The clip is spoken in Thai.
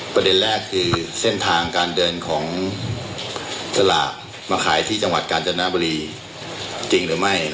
ประเด็นแรกคือเส้นทางการเดินของสลับมาขายที่จังหวัดกาญจนบรี